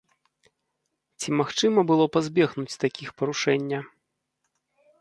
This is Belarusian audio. Ці магчыма было пазбегнуць такіх парушэння?